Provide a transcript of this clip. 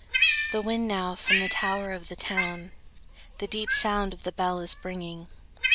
The wind now from the tower of the town The deep sound of the bell is bringing.